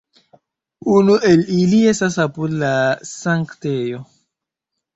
Unu el ili estas apud la Sanktejo.